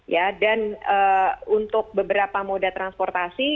ya dan untuk beberapa moda transportasi